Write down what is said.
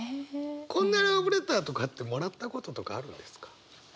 こんなラブレターとかってもらったこととかあるんですか？